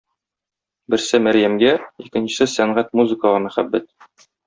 Берсе Мәрьямгә, икенчесе - сәнгать-музыкага мәхәббәт.